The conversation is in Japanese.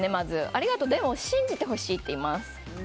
ありがとうでも信じてほしいって言います。